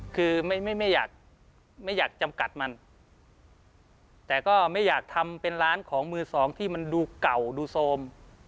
คือไม่ไม่อยากไม่อยากจำกัดมันแต่ก็ไม่อยากทำเป็นร้านของมือสองที่มันดูเก่าดูโซม